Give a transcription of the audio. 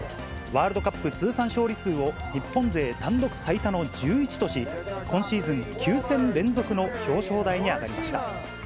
ワールドカップ通算勝利数を、日本勢単独最多の１１とし、今シーズン９戦連続の表彰台に上がりました。